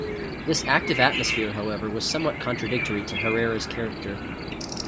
This active atmosphere, however, was somewhat contradictory to Herrera's character.